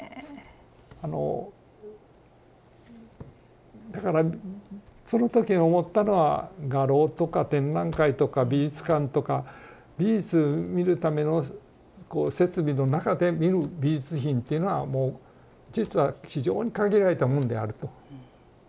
あのだからその時思ったのは画廊とか展覧会とか美術館とか美術見るための設備の中で見る美術品っていうのはもう実は非常に限られたもんであると。